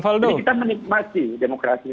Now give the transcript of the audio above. jadi kita menikmati demokrasi